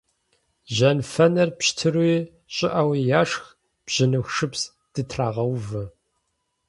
Жьэнфэныр пщтыруи щӀыӀэуи яшх, бжьыныху шыпс дытрагъэувэ.